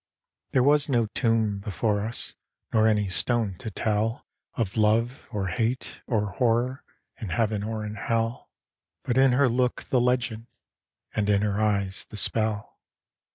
There was no tomb before us, Nor any stone to tell Of love, or hate, or horror In heaven or in hell But in her look the legend, And in her eyes the spell.